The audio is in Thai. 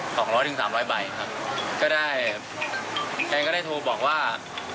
สองร้อยถึงสามร้อยใบครับก็ได้แฟนก็ได้โทรบอกว่า